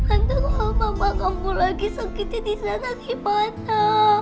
antuk kalau mama kamu lagi sakiti disana gimana